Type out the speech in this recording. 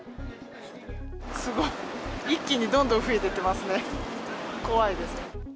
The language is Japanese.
すごい、一気にどんどん増えていってますね。